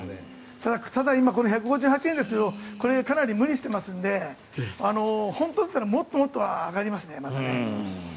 ただ、今１５８円ですがこれはかなり無理していますので本当だったらもっともっと上がりますね。